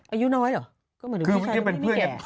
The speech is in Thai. อายุน้อยเหรอก็เหมือนพี่ชายไม่มีแก่